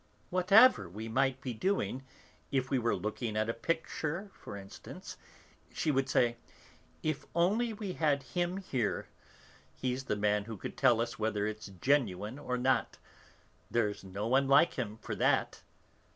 Whatever we might be doing, if we were looking at a picture, for instance, she would say, 'If only we had him here, he's the man who could tell us whether it's genuine or not. There's no one like him for that.'